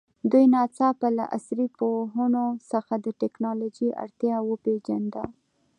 دوی ناڅاپه له عصري پوهنو څخه د تکنالوژي اړتیا وپېژانده.